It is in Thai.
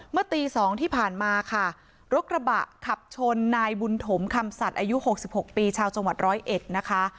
เมื่อตี๒ที่ผ่านมาค่ะรถกระบะขับชนนายบุญถมคำสัตว์อายุ๖๖ปีชาวจังหวัดร้อยเอ็ดนะคะ